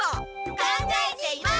考えています！